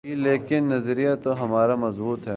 گی لیکن نظریہ تو ہمارا مضبوط ہے۔